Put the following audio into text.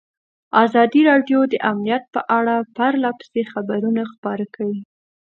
ازادي راډیو د امنیت په اړه پرله پسې خبرونه خپاره کړي.